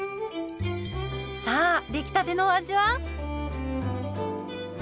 さあ出来たてのお味は？